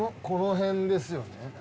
この辺ですよね。